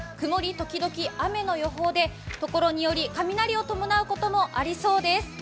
ときどき雨の予報で、ところにより雷を伴うこともありそうです。